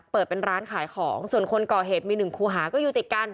เปิดเป็นร้านขายของส่วนคนก่อเหตุมีหนึ่งคู่หาก็อยู่ติดกัน